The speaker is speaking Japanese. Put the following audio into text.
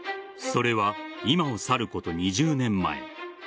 それは今を去ること２０年前。